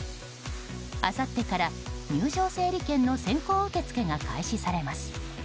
あさってから入場整理券の先行受け付けが開始されます。